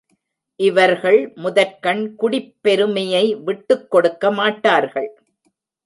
இவர்கள் முதற்கண் குடிப் பெருமையை விட்டுக்கொடுக்க மாட்டார்கள்.